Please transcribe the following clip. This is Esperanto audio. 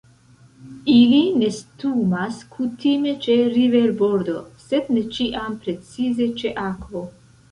Ili nestumas kutime ĉe riverbordo, sed ne ĉiam precize ĉe akvo.